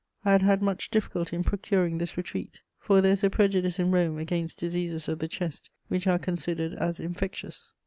I had had much difficulty in procuring this retreat, for there is a prejudice in Rome against diseases of the chest, which are considered as infectious.